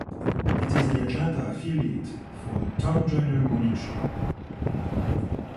It is the Atlanta affiliate for "The Tom Joyner Morning Show".